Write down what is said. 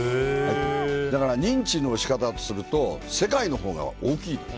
だから認知の仕方とすると世界のほうが大きいと。